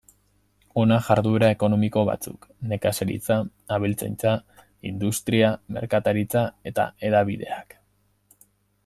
Hona jarduera ekonomiko batzuk: nekazaritza, abeltzaintza, industria, merkataritza eta hedabideak.